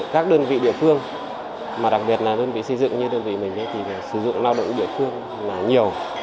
các đơn vị địa phương mà đặc biệt là đơn vị xây dựng như đơn vị mình thì sử dụng lao động địa phương là nhiều